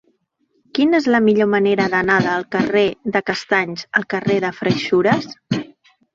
Quina és la millor manera d'anar del carrer de Castanys al carrer de Freixures?